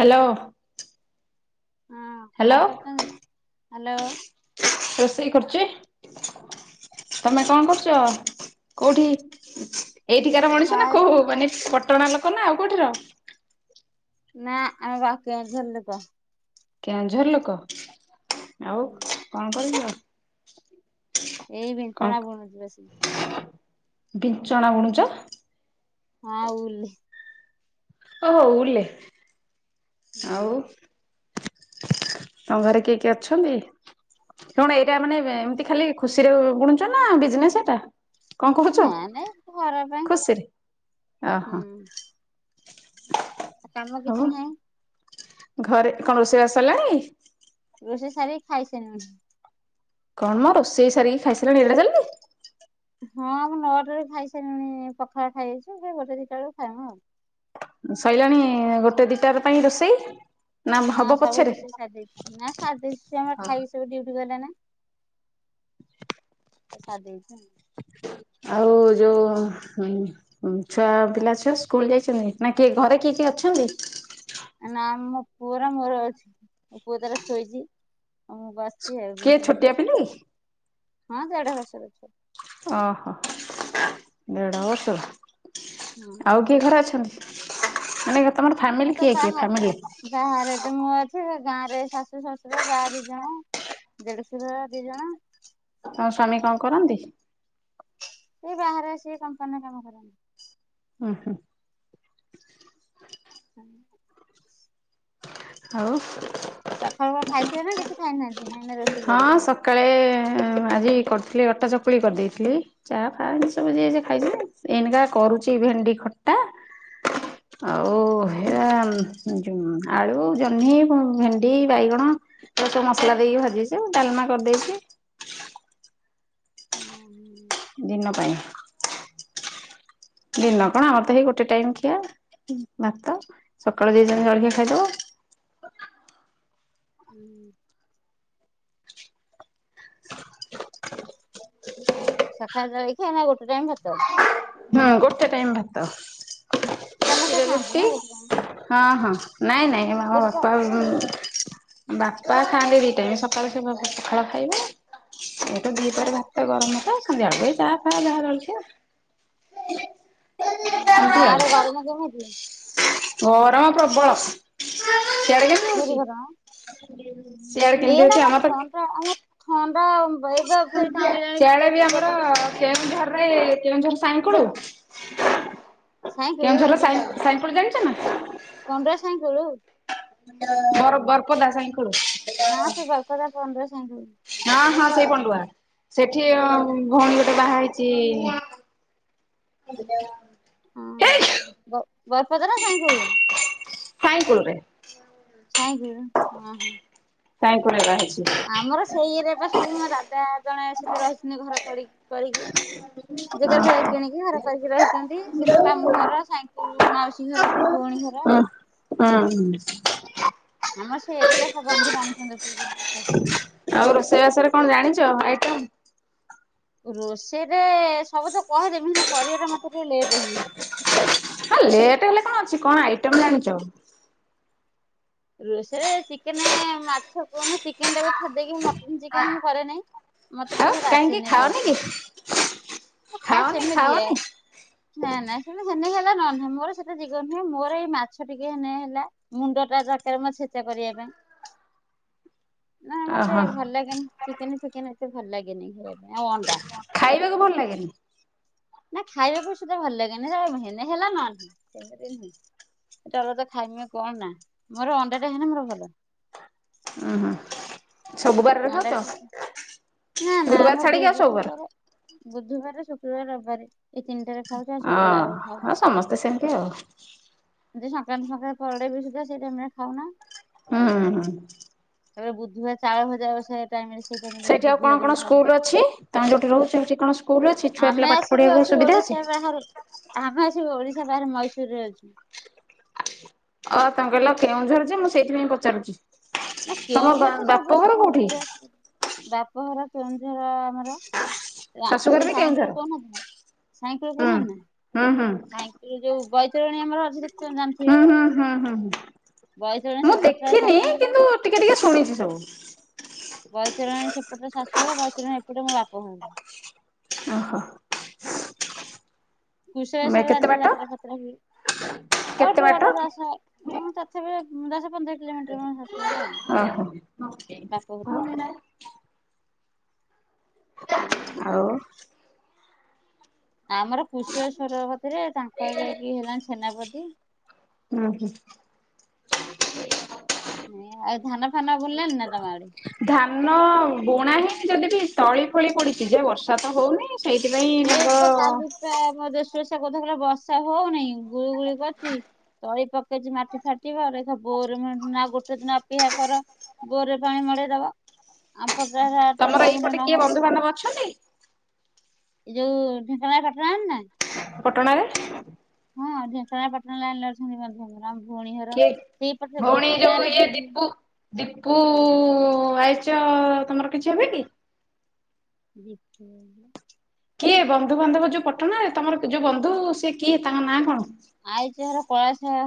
Hello. ହଁ hello କଣ କରୁଛନ୍ତି? ହ୍ୟାଲୋ। ରୋଷେଇ କରୁଚି। ତମେ କଣ କରୁଚ, କୋଉଠି? ଏଇଠିକାର ମଣିଷ ନା ହାଏ। କୋଉ ମାନେ ପଟଣା ଲୋକ ନା ଆଉ କୋଉଠିର? ନା ଆମେ ପା କେଁଉଝର ଲୋକ। କେଁଉଝର ଲୋକ ଆଉ କଣ କରୁଚ? ଏଇ ବିଞ୍ଚଣା ବୁଣୁଚି ବସିକି। ବିଞ୍ଚଣା ବୁଣୁଚ। ହଁ ଉଲୁଃ ରେ। ଓଃ ହୋ ଉଲରେ। ଆଉ ତମ ଘରେ କିଏ କିଏ ଅଛନ୍ତି? କଣ ଏଇଟା ମାନେ ଏମତି ଖାଲି ଖୁସିରେ ବୁଣୁଚ ନା ବିଜନେସ୍ ଏଟା। କଣ କୋହୁଚ? ନା ନାଇଁ ଘର ପାଇଁ। ଖୁସିରେ ଓ ହଁ। ହୁଁ କାମ କିଛି ନାହିଁ। ଘରେ କଣ ରୋଷେଇବାସ ସରିଲାଣି? ରୋଷେଇ ସାରିକି ଖାଇସାରିଲୁଣି। କଣ ମ ରୋଷେଇ ସାରିକି ଖାଇସାରିଲଣି ଏଡେ ଜଲଦି। ହଁ ମୁଁ ନଅଟାରେ ଖାଇସାଇଲୁଣି ପଖାଳ ଖାଇଦେଇଚୁ ଫେରେ ଗୋଟେ ଦିଇଟା ବେଳକୁ ଖାଇମୁ ଆଉ। ସ‌ଇଲାଣି ଗୋଟେ ଦିଇଟାର ପାଇଁ ରୋଷେଇ? ନା ହଁ ହବ ସବୁ ପଛରେ? ରୁଷେଇ ସାରିଦେଇଚି ନା ସାରିଦେଇଚି ଆମର ଖାଇକି ସବୁ ଡ୍ୟିଟି ଟି ଗଲେ ନା। ଏ ସାରି ଦେଇଚଁ। ଆଉ ଯୋଉ ଛୁଆ ପିଲା ଛୁଆ ସ୍କୁଲ ଯାଇଚନ୍ତି ନା କିଏ ଘରେ କିଏ କିଏ ଅଛନ୍ତି। ନା ଆମ ପୁଅର ମୋର ଅଛି ମୋ ପୁଅ ତାର ଶୋଇଚି ଆଉ ମୁଁ ବସ କିଏ ଛୋଟିଆ ପିଲା କି? ହଁ ଦେଢ଼ ବର୍ଷ ର। ଅହ ଦେଢ ବର୍ଷର। ହଁ ଆଉ କିଏ ଘରେ ଅଛନ୍ତି ମାନେ କେତେ ମୁଁ ତ ବାହାରେ ବାହାରେ ତ ମୁଁ ଅଛି ସେ ଗାଁ ରେ ଶାଶୁ ଶଶୁର ଯା ଦିଇ ଜଣ ଦେଢଶର ଦିଇ ଜଣ ହ ସ୍ୱାମୀ କଣ କରନ୍ତି? ସେ ବାହାରେ ସେ କମ୍ପାନୀରେ କାମ କନି ଉହୁଁ। [inaudible] ଆଉ। ସକାଳୁଳ ଖାଇଥିଲେ ନା କିଛି ଖାଇନାହାନ୍ତି? ନାଇଁ ନା ରୋଷେଇ କରି ହଁ ଖାଇବେ। ସକାଳେ ଆଜି କରିଥିଲି ଅଟା ଚକୁଳି କରିଦେଇଥିଲି ଚା ଖାଇ ସବୁ ଯିଏ ଯିଏ ଖାଇଥିଲେ। ଏନକା କରୁଚି ଭେଣ୍ଡି ଖଟା ଆଉ ହେ ଆ। ଜୁ ଆଳୁ ଜହ୍ନି ଭେଣ୍ଡି ବାଇଗଣ ଏ ସବୁ ମସଲା ଦେଇକି ଭାଜି ଡାଲମା କରିଦେଇଚି। ହୁଁ ହୁଁ। ଦିନ ପାଇଁ ଦିନ କଣ ଆମର ତ ହେଇ ଗୋଟେ ଟାଇମ ଖିଆ ଭାତ ସକାଳୁ ଦେଇ ଯ ଜଳଖିଆ ଖାଇଦବ। [inaudible] ହୁଁ। ସକାଳ ଜଳଖିଆ ନା ଗୋଟେ ଟାଇମ ଭତ ହଁ ଗୋଟେ ଟାଇମ୍ ଭାତ ସମସ୍ତେ ରାତିରେ ଖାଆନ୍ତି ରୁଟି ହଁ ଗୋଟେ ଟାଇମ ହଁ ହଁ ନାଇଁ ନାଇଁ ଆମ ଗୋଟେ ଟା ବାପା ଉଁ। ବାପା ଖାଆନ୍ତି ଦିଇ ଟାଇମ ସକାଳୁ ପଖାଳ ଖାଇବେ ଏଟା ହୁଁ ଦିଇ ପରେ ହୁଁ। ଭାତ ଗରମ ଭାତ ଦେ ଚାହା ଫା ବାହାର ଅଛି। ହ ଆଉ ଗାଁଆଡେ ଗରମ କେମିତି ଗରମ ପ୍ରବଳ ସିଆଡେ କେମିତି ବହୁତ ହୋଉଚି? ଗରମ ସିଆଡ ଏଇଆଡେ କିନ୍ଧିଉଛି ଆମ ତ ଥଣ୍ଡା ଆମ ଥଣ୍ଡା ଏବେ ଫେରେ କାଣ ହେଲାଣି ସିଆଡେ ବୋଉ ବି ଆମର ଲୁଗାପଟା ଶୁଖେଇ ସେ ଘରରେ କେଉଁଝର ସାଇଙ୍କୁଡ କେଉଁଝର ସାଇଙ୍କୁଡ ଜାଣିଛ ନା। ପାଣ୍ଡୁଆ ସାଇଁକୂଳୁ ବର ବର ପ ଦା ସାଙ୍ଗ ହଁ ସେ ବରପଦା ପଣ୍ଡୁଆ ସାଇଁ ହଁ ହଁ ସେଇ ପଣ୍ଡୁଆ ସେଠି ଭଉଣୀ ଗୋଟେ ବାହା ହେଇଛି। [inaudible] ହଁ ବରପଦା ନା ସାଇଁକୂଳୁ ସାଇଁକୂଳରେ ସାଇଁଗ ଅହ। ସାଇଁକୂଳରେ ବାହା ହେଇ ଆମର ସେଇ ଏରିଆ ବା ସବୁ ମୋ ଦାଦା ଜଣେ ସେଠି ରହିଛନ୍ତି ଘର କରି କରିକି। [unintelligible] ଭାଇ କିଣିକି ଘର କରିକି ରଇଛନ୍ତି ସେଠୁ ମାମୁଁ ଘର ସାଇଁକୂଲୁ ମାଉସୀ ଘର, ଭଉଣୀ। ଘର ଅଁ। ଆମର ସେଇଇ ଏରିଟା ସବୁ ବନ୍ଧୁ ଆଉ ରୋଷେଇବାସରେ କଣ ଜାଣିଛ ଆଇଟମ? ରୋଷେଇରେ ସବୁ ତ କହିଦେବି ନା କରିବା ଟା ମତେ ଟିକେ ଲେଟ୍ ହୁଏ। ହଁ ଲେଟ୍ ହେଲେ କଣ କଣ ଆଇଟମ ଜାଣିଚ? ରୋଷରେ ଚିକେନ, ମାଛ କୁହନା ଚିକେନ ଟାକୁ ଛାଡଦେକି ମ୍ ଚିକେନ, ମୁଁ କରେନାଇଁ ମତେ ଆଉ ଟିକେ କାହିଁକି ରାସେନି ଖାଅନି ଭଲସେ। କି ମୁଁ ଖାଏ ଖାଅନି ସେମିତି ଏ ଖାଅନି [inaudible] ନାଁ ନାଁ ସେମିତି। [unintelligible] ସେତେ ଦିଗ ନୁହେଁ ମୋର ଏଇ ମାଛ ଟିକେ ହେଲେ ହେଲା ମୁଣ୍ଡ ଟା [unintelligible] ମ ସେଟା କରିବା ପାଇଁ [inaudible] ନା ମତେ ଓହୋ ଭଲ ଲାଗେନି ଚିକେନ ଫିକେନ ଭଲ ଲାଗେନି। ପାଇଁ ଆଉ ଅଣ୍ଡା। [inaudible] ଖାଇବାକୁ ଭଲ ଲାଗେନି। ନା ଖାଇବାକୁ ସେତେ ଭଲ ଲାଗେନି ହେଲେ ହେଲା ନହେଲା ନାହିଁ [inaudible] [unintelligible] ଖାଇମି କଣ ନାଁ ମୋର ଅଣ୍ଡା ଟା ହେନେ ମୋର ଭଲ। [unintelligible] ସବୁବାର ରେ ଅଣ୍ଡା ଖାଉଚ ଖାଇ ନା ନା ଆମର ଗୁରୁବାର ଛାଡିିକି ଆଉ ସବୁବାର। ବୁଧବାର [unintelligible] ଶୁକ୍ରବାର ରବିବାରେ। ଆଁ [inaudible] ଆଉ ସମସ୍ତେ ସେମିତି ଆଉ। [unintelligible] ବି ସୁଦ୍ଧା ସେଇ ଟାଇମ ଖାଉନ। ହୁଁ ହୁଁ। ତାପରେ ବୁଧବାରେ ଚାଳ ଭଜା ଓଷା ଟାଇମ। ସେଇଠି ଆଉ କଣ କଣ ସ୍କୁଲ ଅଛି ତମେ ଯୋଉଠି ରହୁଛ ସେଠି କଣ ସ୍କୁଲ ଅଛି ଛୁଆ ଆମେ ପିଲା ପାଠ ଆସିକି ପଢିବାକୁ ସୁବିଧାଅଛି। [unintelligible] ଆମେ ଆସି ଓଡିଶା ବାହାରେ ମଇଶରରେ ଅଛୁ। ଓ ତମେ କହିଲ କେଉଁଝରଯେ ମୁଁ ସେଇଥିପାଇଁ ପଚାରୁଛି। ନା ତମ କେଉଁଝର ତ ବାପ ସବୁ ଘର ସ୍କୁଲ କୋଉଠି? ଉପରେ। ବାପଘର କେଉଁଝର ଆମର। ଶାଶୁଘର ବି କେଉଁଝର ହୁଁ ହୁଁ ହୁଁ [unintelligible] [inaudible] [unintelligible] [unintelligible] ଆମର ଅଛି ଦେଖଚ ଜାଣିଥିବେ ହୁଁ ହୁଁ ହୁଁ ହୁଁ ହୁଁ। ବୈତରଣୀ ମୁଁ ସେପଟରେ ଦେଖିନି ଶାଶୁ ଘର। କିନ୍ତୁ ଟିକେ ଟିକେ ଶୁଣିଛି ସବୁ ଟା ମୋ ବାପଘର [inaudible] ଓହୋ। ମେ କେତେ ବାଟ କେତେ ବାଟ [unintelligible] ପନ୍ଦର କିଲୋମିଟର ମୋ ଶାସୁଘର ଆଉ ଓହୋ। [inaudible] ବାପ [inaudible] ନାଇଁ [inaudible] ଆଉ ଆମର କୁଶେଳେଶ୍ୱର କତିରେ ତାଙ୍କର ଯାଇକି ହେଲାଣି ସେନାପତି। ହୁଁ ହୁଁ। [unintelligible] ଆଉ ଧାନ ଫାନ ବୁଣି ନାଁ। ଧାନ ବୁଣା ହିଁ ଯଦି ବି ତଳି ଫଳି ପଡିଛି ଯେ ବର୍ଷା ତ ହଉନି। ସେଇଥିପାଇଁ ସେ ତ କାଲି ପା [unintelligible] [unintelligible] ବର୍ଷା ହଉନି ଗୁଲୁ ଗୁଳି କରିଛି ତଳି ପକେଇଚି ମାଟି ଫାଟିବ [unintelligible] [unintelligible] ଗୋଟେ ଦିନ ଅପେକ୍ଷା କର ବୋରରେ ପାଣି ମଡେଇଦବ ଆ। [unintelligible] ତମର ନହନେ ଏଇପଟେ ନ କିଏ ହବ। [inaudible] ବନ୍ଧୁବାନ୍ଧବ ଅଛନ୍ତି ଏଇ ଯୋଉ ଢେଙ୍କାନାଳ ପାଟଣା ନାଁ। ପଟଣା ରେ ହଁ ଢେଙ୍କାନାଳ ପାଟଣା ଲାଇନେ ରେ ଅଛନ୍ତି ବନ୍ଧୁ ବାନ୍ଧବ। କିଏ [inaudible] ଭଉଣୀ ଗାଁ ଯୋଉଁ ରେ ଦି ଇଏ ଦୀପୁ [inaudible] ଦୀପୁ ଆଇ ତମର କିଛି ହେବେ ନି? [inaudible] କିଏ ବନ୍ଧୁବାନ୍ଧବ ଯୋଉଁ ପଟଣା ତମର ଯୋଉଁ ବନ୍ଧୁ ସେ କିଏ ତାଙ୍କ ନାଁ କଣ? ଆଇଚର କଳାଶର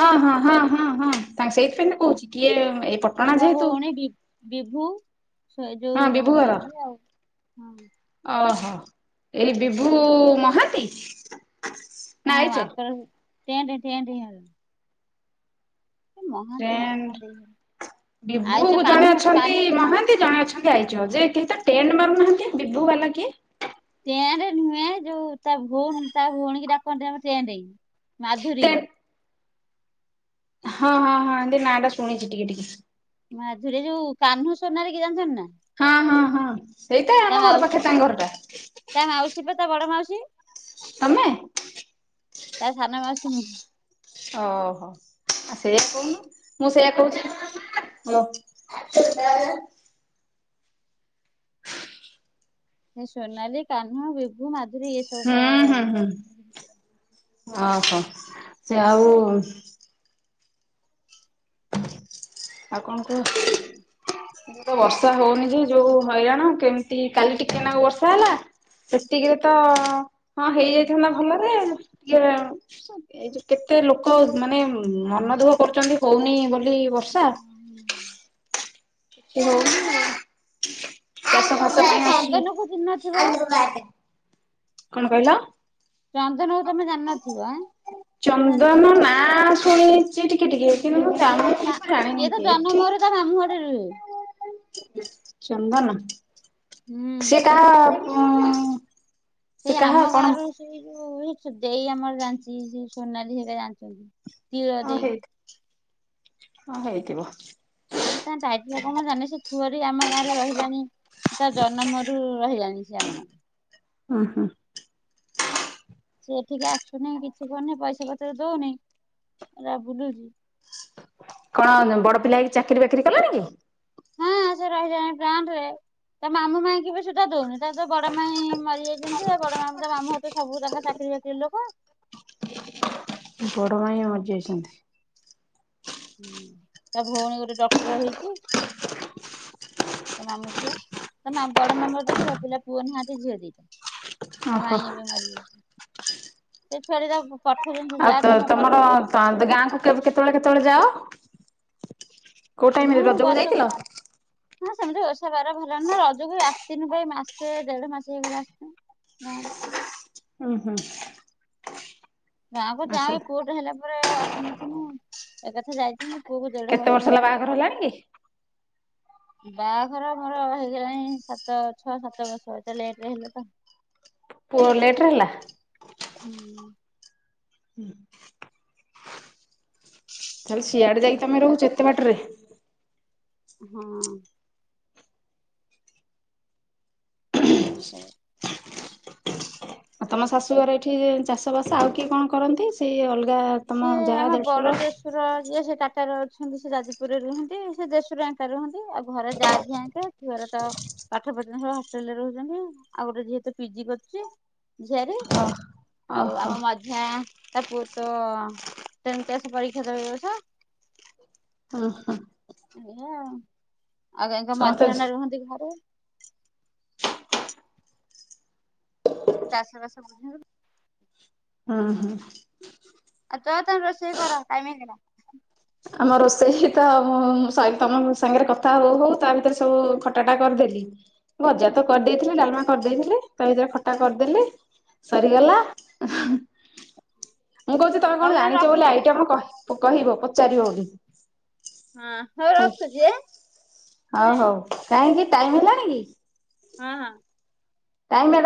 ହଁ ହଁ ହଁ ହଁ ହଁ ତାଙ୍କ ସେଇଥିପାଇଁ କହୁଛି କିଏ। ଏଇ ପଟଣା ପ୍ରେମ ଯେହେତୁ ଭଉଣୀ ବିଭୁ ସେ ହଁ ଯୋଉଁ ଘର ବିଭୁ ଆଉ ହଁ। ଓହୋ ଏଇ ବିଭୁ ସେ ଦି- ମହାନ୍ତି। ନା ହଁ ଆଇଚ? ଆକ [inaudible] ନା କଣ ଦେଇଗଲା [inaudible] ଆଇଚ ବିଭୁ କାହ୍ନୁ ଜଣେ ଅଛନ୍ତି କାହ୍ନୁ ମହାନ୍ତି ଜଣେ ଅଛନ୍ତି। [inaudible] ଯେ କେହି ତ ଟେଣ୍ଟ ମାରୁନାହାନ୍ତି ବିଭୁ ବାଲା କେ ଟେଣ୍ଡ ନୁହେଁ ଯୋଉ ତା ଭଉଣ, ତା ଭଉଣୀ ଡାକନ୍ତି ଆମ ଟେଁଟେଇ। ମାଧୁରୀ ଟେ ହଁ, ହଁ, ହଁ, ଏମତି ନାଁ ଟା ଶୁଣିଛି ଟିକେ ଟିକେ। ମାଧୁରୀ ଯୋଉ କାହ୍ନୁ ସୋନାଲି କି ଜାଣିଚନ୍ତି ନା? ହଁ, ହଁ, ହଁ, ସେଇଟା ତା ଆମ ଘର ମାଉସୀ ପାଖେ ତାଙ୍କ ଘରଟା। କି ତୋମେ? ତା ସାାନ ମାଉସୀ ମୁଁ। ଓହୋ ଆ ସେଇଆ କହୁନ। ମୁଁ ସେଇୟା କହୁଚି। [unintelligible] ସେ ସୋନାଲି, କାହ୍ନୁ, ବିଭୁ, ମାଧୁରୀ ଏସବୁ ମୋ ହୁଁ ହୁଁ ହୁଁ ଓହୋ! ସେ ଆଉ ଆଉ କଣ କୁହ? ମୋ ଏବେ ତ ବର୍ଷା ହଉନି। ଯୋଉ ଯୋଉ ହଇରାଣ କେମିତି କାଲି ଟିକେନାକୁ ବର୍ଷା ହେଲା। ସେତିକିରେ ତ ହଁ ହେଇଯାଇଥାନ୍ତା ଭଲରେ ଟିକେ ଏ ଯୋଉ କେତେ ଲୋକ ମାନେ ମନ ଦୁଃଖ କରୁଚନ୍ତି। ହଉନି ବୋଲ ଲି ବର୍ଷା। କିଛି ହଉନି ଏ ଚାଷ ଫାସ ତମେ ତ ଚନ୍ଦନକୁ ଚିହ୍ନିନଥିବ [unintelligible] କଣ କହିଲ? ଚନ୍ଦନକୁ ତୋମେ ଜାଣିନଥିବ? ଆଁ, ନା ଜାଣିଚ? ଚନ୍ଦନ ନାଁ ଶୁଣିଛି ଟିକେ ଟିକେ କିନ୍ତୁ ମୁଁ ଜାଣିନି ସା-ସିଏ ତ ଯେ ଏଠି ଜନମରୁ ତା ମାମୁଁଘରେ ରୁହେ। ଚନ୍ଦନ ହୁଁ। ସେ କା ଉଁ, ସେ ସେଇ କାହା ଆମ କଣ ଗାଁର ସେଇ ଯୋଉ ଦେଇ ଆମର ଜାଣିଚି। ସେଇ ସୋନାଲି ହେକା ଜାଣିଚନ୍ତି। ତିଆ ହଁ ହେଇ ଦେଇକି। ହଁ ହେଇଥିବ। ଏ ତା ଟାଇଟେଲ କଣ ମୁଁ ଜାଣିନାହିଁ। ସେ ଛୁଆରି ଆମ ଗାଁରେ ରହିଲାଣି। ତା ଜନମରୁ ରହିଲାଣି ସେ ଆମ ଗାଁରେ। ଓ ହଁ। ସେ ଏଠିକି ଆସୁନି। କିଛି କରୁନି। ପଇସା ପତ୍ର ଦଉନି। ଏଟା ବୁଲୁଚି। କଣ ବଡ ପିଲା କି ଚାକିରି ବାକିରି କଲାଣି କି? ହଁ ସେ ରହିିଲାଣି ପ୍ଲାଣ୍ଟ ରେ। ତା ମାମୁଁ ମାଇଁ କି ବି ସୁଦା ଦଉନି। ତାର ତ ବଡ ମାଇଁ ମରିଯାଇଚନ୍ତି। ଆଉ ବଡ ମାମୁଁ ତା ମାମୁଁଘରେ ତ ସବୁ ତାଙ୍କ ଚାକିରୀ ବାକିରି ଲୋକ। ବଡ ମାଇଁ ମରିଯାଇଚନ୍ତି। ହୁଁ ତା ଭଉଣୀ ଗୋଟେ ଡକ୍ଟର୍ ହେଇଚି। ତ ମାମୁଁ ଝିଅ। ତା ବଡ ମାମୁଁର ତ ଛୁଆପିଲା, ପୁଅ ନାହାନ୍ତି ଝିଅ ଦିଟା। ତା ଓହୋ ମାଇଁ ଏବେ ମରିଯାଇଚ ସେ ଛୁଆ ଟି ଯା ଆଉ ତ ତମ ତମର ଘରକୁ ତା ଗାଁକୁ କେତେବେଳେ କେତେବେଳେ ଯାଅ? କୋଉ ଟାଇମରେ ମୁଁ ରଜକୁ ବର୍ଷ ଯାଇଥିଲ? ହଁ ସେମିତି ଓଷା ବାର ଭଲ ନା ରଜକୁ ଆସିଥିନୁ ବା ଏଇ ମାସେ ଦେଢ ମାସ ହେଇଗଲା ଆସିଥିନୁ। ଗାଁ ରେ। ହୁଁ ହୁଁ। ଗାଁକୁ ଆସ ଯାଏ ପୁଅଟେ ହେଲା ପରେ ଆଉ ଆସିନଥିଲୁ ଏକାଥରେ ଯାଇଥିଲୁ କେତେ ବର୍ଷ ହେଲା ବାହାଘର ହେଲାଣି କି? ବାହାଘର ମୋର ହେଇଗଲାଣି ସାତ ଛଅ ସାତ ବର୍ଷ ଏତେ ଲେଟେରେ ହେଲା ତ। ପୁଅ ଲେଟେରେ ହେଲା। ହୁଁ। ହୁଁ। ତାହେଲେ ସିଆଡ଼େ ଯାଇକି ବାହା ତମେ ରହୁଛ ଏତେ ବାଟରେ। ହଁ। ଆଚ୍ଛା। ଆଉ ତମ ଶାଶୁଘର ଏଇଠି ଚାଷ ବାସ ଆଉ କିଏ କଣ କରନ୍ତି? ସେଇ ଅଲ ସିଏ ଆମ ବଡ ଦେଢଶୁର ଯିଏ ଶେ ଟାଟା ର ଅଛନ୍ତି ସେ ଯାଜପୁରରେ ରୁହନ୍ତି। ସେ ଜେସୁର ଆଙ୍କା ରୁହନ୍ତି। ଆଉ ଘରେ ଯା ଦିହେଁଆଙ୍କେ ଝିଅର ତ ପାଠ ପଢ ସୁ ହଷ୍ଟେଲରେ ରହୁଛନ୍ତି। ଆଉ ଗୋଟେ ଝିଅ ଟେ ପିଜି କରୁଛି ଝିଆରି। ଓ ଆଉ ଓହୋ ଆମ ମଝିଆଁ ତା ପୁଅ ତ ତମେ କେଶ ପରୀକ୍ଷା ଯାଉଛ? ଓ ହୋ। ଏଇଆ ଆଉ ଆଉ କାଇଁ ତ ସମସ୍ତେ ମାଝି ନନା ରୁହନ୍ତି ଘରେ। ସେ ଚାଷବାସ ବୁଝେ। ଉଁ ହୁଁ। ଆଉ ଚ ତମେ ରୋଷେଇ କର ଟାଇମି ହେଇଗଲା। ଆମ ରୋଷେଇ ତ ତମ ସାଙ୍ଗରେ କଥା ହଉ ହଉ ତା ଭିତରେ ସବୁ ଖଟାଟା କରିଦେଲି। ଭଜା ତ କରିଦେଇଥିଲେ ଡଲମା କରିଦେଇଥିଲେ। ତା ଭିତରେ ଖ ଟା କରିଦେଲି ସରିଗଲା। ମୁଁ କହୁଛି ତମେ କଣ ହଉ ତାହେଲେ ଜାଣିଛ ବୋଲି ରଖୁଛି। ଆଇଠି ଆପଣ କହିବ ପଚାରିବ ବୋଲି। ହଁ ହଉ ରଖୁଛି ଆଁ। ଓ ହଉ କାହିଁକି ଟାଇମି ହେଲାଣି କି? ହଁ ହଁ। କାଇଁ ମ୍ୟା